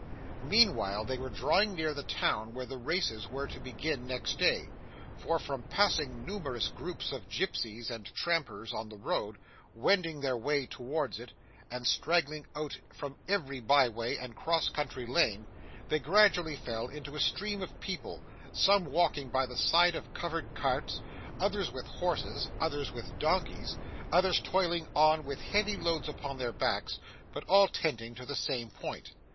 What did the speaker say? Meanwhile, they were drawing near the town where the races were to begin next day; for, from passing numerous groups of gipsies and trampers on the road, wending their way towards it, and straggling out from every by way and cross country lane, they gradually fell into a stream of people, some walking by the side of covered carts, others with horses, others with donkeys, others toiling on with heavy loads upon their backs, but all tending to the same point.